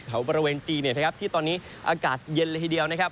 แถวบริเวณจีนเนี่ยนะครับที่ตอนนี้อากาศเย็นละทีเดียวนะครับ